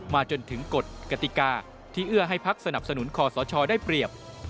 จนถึงกฎกติกาที่เอื้อให้พักสนับสนุนคอสชได้เปรียบ